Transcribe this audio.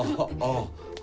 ああ。